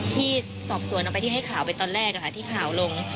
ที่สอบส่วนเท่าไหร่ที่ให้ข่าวไปตอนแรกว่าลง